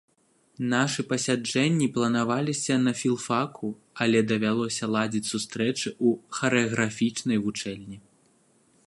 Нашы пасяджэнні планаваліся на філфаку, але давялося ладзіць сустрэчы ў харэаграфічнай вучэльні.